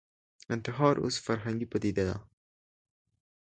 انتحار اوس فرهنګي پدیده ده